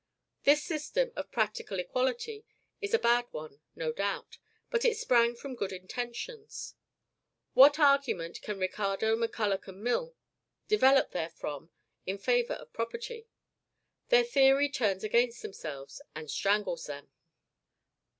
This system of practical equality is a bad one, no doubt; but it sprang from good intentions. What argument can Ricardo, MacCulloch, and Mill develop therefrom in favor of property? Their theory turns against themselves, and strangles them.